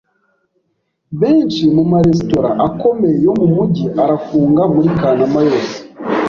Benshi mu maresitora akomeye yo mu mujyi arafunga muri Kanama yose.